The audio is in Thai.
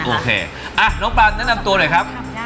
โอเคน้องปานแนะนำตัวหน่อยครับ